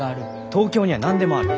東京には何でもある。